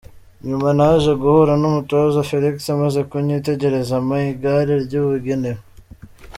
Nyuma naje guhura n’umutoza Felix amaze kunyitegereza ampa igare ryabugenewe.